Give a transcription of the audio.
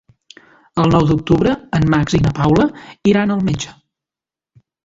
El nou d'octubre en Max i na Paula iran al metge.